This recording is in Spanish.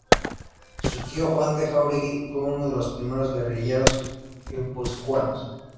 Su tío Juan de Jáuregui fue uno de los primeros guerrilleros guipuzcoanos.